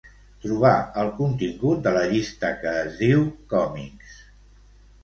Trobar el contingut de la llista que es diu "còmics".